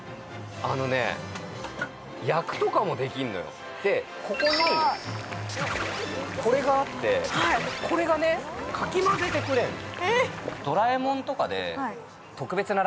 あっ、もしかしてここにこれがあってこれがね、かき混ぜてくれるの。